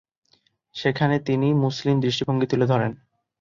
সেখানে তিনি মুসলিম দৃষ্টিভঙ্গি তুলে ধরেন।